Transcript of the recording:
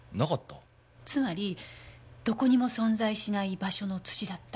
つまりどこにも存在しない場所の土だった。